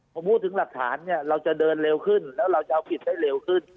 พอพูดถึงหลักฐานเนี่ยเราจะเดินเร็วขึ้นแล้วเราจะเอาผิดได้เร็วขึ้น